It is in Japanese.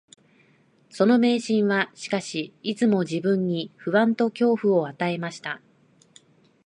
その迷信は、しかし、いつも自分に不安と恐怖を与えました